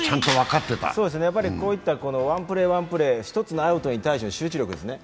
こういったワンプレー、ワンプレー１つのアウトにタイしての集中力ですね。